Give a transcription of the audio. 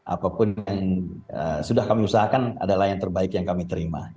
apapun yang sudah kami usahakan adalah yang terbaik yang kami terima